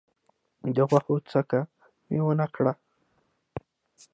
د غوښو څکه مي ونه کړه .